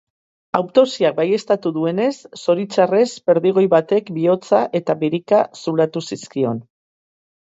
Autopsiak baieztatu duenez, zoritxarrez perdigoi batek bihotza eta birika zulatu zizkion.